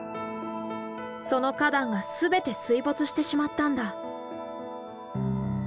その花壇が全て水没してしまったんだ。